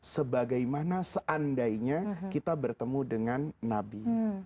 sebagaimana seandainya kita bertemu dengan nabi